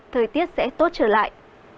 thời tiết sẽ tốt trở lại